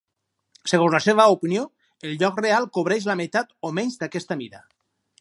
Segons la seva opinió, el lloc real cobreix la meitat o menys d'aquesta mida.